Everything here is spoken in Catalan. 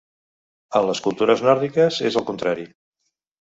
En les cultures nòrdiques és el contrari.